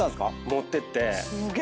持ってって。